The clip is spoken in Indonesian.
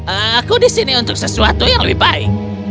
aku di sini untuk sesuatu yang lebih baik